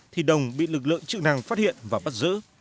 thì đồng bị lực lượng chức năng phát hiện và bắt giữ